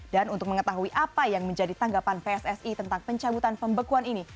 dan untuk mengetahui apa yang menjadi tanggapan pssi tentang pencabutan pembekuan ini